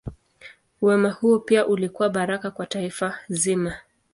Wema huo pia ulikuwa baraka kwa taifa zima.